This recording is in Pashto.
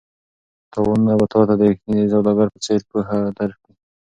تاوانونه به تا ته د ریښتیني سوداګر په څېر پوهه درکړي.